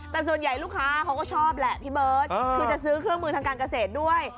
แต่ส่วนใหญ่ลูกค้าเขาก็ชอบแหละพี่เบิร์ตคือจะซื้อเครื่องมือทางการเกษตรด้วย